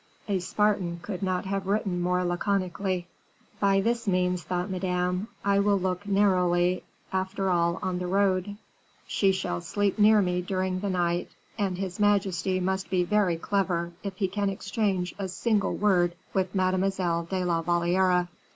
A Spartan could not have written more laconically. "By this means," thought Madame, "I will look narrowly after all on the road; she shall sleep near me during the night, and his majesty must be very clever if he can exchange a single word with Mademoiselle de la Valliere."